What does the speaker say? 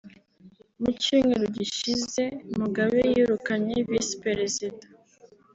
Mmu cyumweru gishize Mugabe yirukanye Visi-Perezida